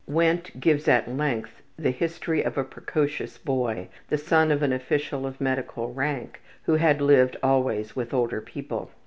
Wendt gives at length the history of a precocious boy, the son of an official of medical rank, who had lived always with older people.